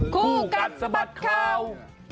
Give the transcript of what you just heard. คู่กัดสะบัดข่าว